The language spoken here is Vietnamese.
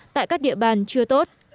tại các địa bàn chưa tốt